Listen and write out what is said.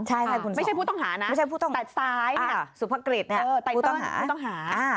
ใช่คุณสองไม่ใช่ผู้ต้องหานะแต่ซ้ายนี่สุพกฤษผู้ต้องหา